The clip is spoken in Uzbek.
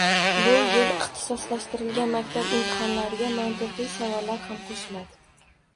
Bu yil ixtisoslashtirilgan maktab imtihonlariga mantiqiy savollar ham qo‘shiladi